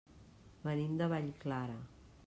Venim de Vallclara.